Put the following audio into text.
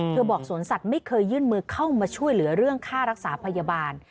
บอกสวนสัตว์ไม่เคยยื่นมือเข้ามาช่วยเหลือเรื่องค่ารักษาพยาบาล